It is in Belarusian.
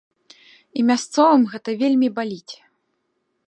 І мясцовым гэта вельмі баліць.